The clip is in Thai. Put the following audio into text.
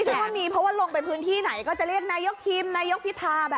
ฉันว่ามีเพราะว่าลงไปพื้นที่ไหนก็จะเรียกนายกทีมนายกพิธาแบบ